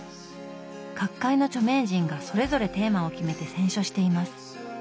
各界の著名人がそれぞれテーマを決めて選書しています。